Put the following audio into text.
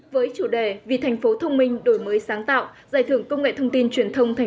với chủ đề vì thành phố thông minh đổi mới sáng tạo giải thưởng công nghệ thông tin truyền thông tp hcm